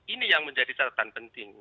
ini yang menjadi catatan penting